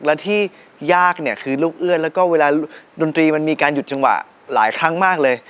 และที่ยากเนี่ยคือลูกเอื้อนแล้วก็เวลาดนตรีมันมีการหยุดจังหวะหลายครั้งมากเลย